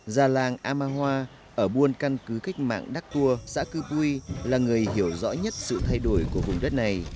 gia làng a ma hoa ở buôn căn cứ cách mạng đắk tua xã cư bui là người hiểu rõ nhất sự thay đổi của vùng đất này